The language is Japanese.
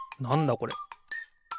これ。